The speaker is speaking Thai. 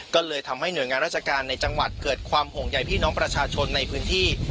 ก็เลยทำให้หน่วยงานราชการในจังหวัดเกิดความห่วงใยพี่น้องประชาชนในพื้นที่